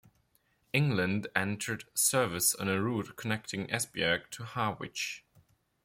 England entered service on a route connecting Esbjerg to Harwich.